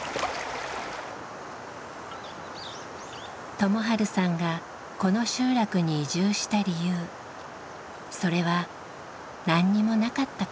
友治さんがこの集落に移住した理由それは何にもなかったから。